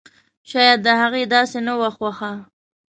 شايد د هغې داسې نه وه خوښه!